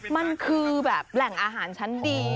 มันคือแบบแหล่งอาหารชั้นดี